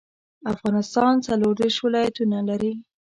افغانستان څلوردیرش ولایاتونه لري